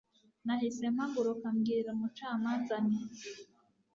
Nahise mpaguruka mbwira umucamanza nti